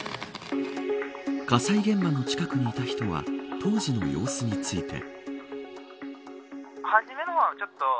火災現場の近くにいた人は当時の様子について。